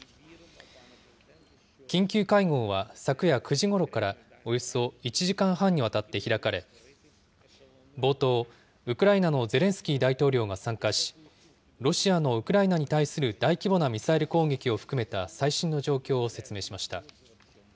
緊急会合は、昨夜９時ごろから、およそ１時間半にわたって開かれ、冒頭、ウクライナのゼレンスキー大統領が参加し、ロシアのウクライナに対する大規模なミサイル攻撃を含めた最新の状況を説明しました。